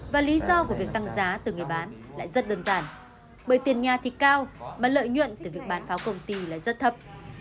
và lý do của việc tăng giá từ người bán lại rất đơn giản bởi tiền nhà thì cao mà lợi nhuận từ việc bán pháo công ty là rất thấp